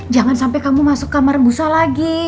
jangan sampai kamu masuk kamar busa lagi